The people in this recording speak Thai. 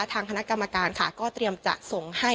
ทางคณะกรรมการค่ะก็เตรียมจะส่งให้